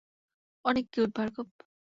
অনেক কিউট, ভার্গব!